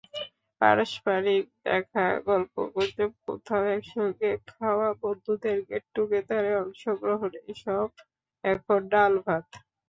পারস্পরিক দেখা, গল্পগুজব, কোথাও একসঙ্গে খাওয়া, বন্ধুদের গেট টুগেদারে অংশগ্রহণ—এসব এখন ডালভাত।